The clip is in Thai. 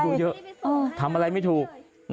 อายุเยอะทำอะไรไม่ถูก